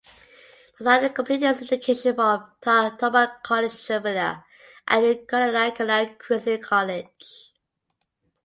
Prasanth completed his education from Mar Thoma College Tiruvalla and Kodaikanal Christian College.